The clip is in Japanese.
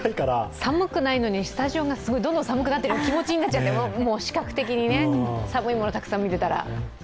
寒くないのにスタジオがどんどん寒くなってる気持ちになっちゃって、視覚的に寒いものをたくさん見ていたら。